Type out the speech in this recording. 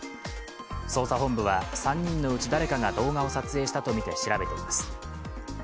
捜査本部は、３人のうち誰かが動画を撮影したとみて調べています。